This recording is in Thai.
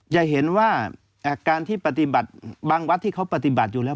จะเห็นว่าการที่ปฏิบัติบางวัดที่เขาปฏิบัติอยู่แล้ว